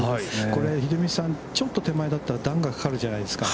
これ秀道さん、ちょっと手前だったら段がかかるじゃないですか。